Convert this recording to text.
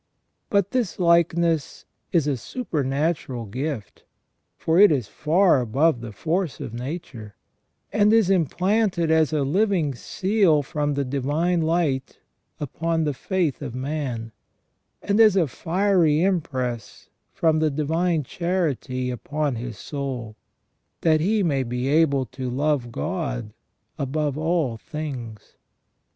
But this likeness is a supernatural gift, for it is far above the force of nature, and is implanted as a living seal from the divine light upon the faith of man, and as a fiery impress from the divine charity upon his soul, that he may be able to love God above all things.